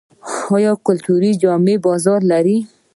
آیا کلتوري جامې بازار لري؟